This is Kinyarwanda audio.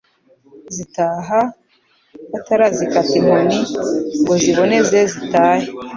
zitaha, batarazikata inkoni ngo ziboneze zitahe.